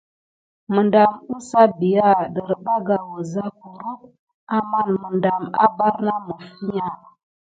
Medam əza bià derbaka wuza kurump amanz medam a bar na mifiya.